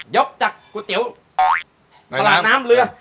จากก๋วยเตี๋ยวตลาดน้ำเรือ